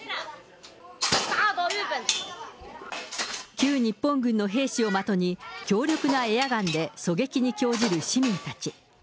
旧日本軍の兵士を的に、強力なエアガンで狙撃に興じる市民たち。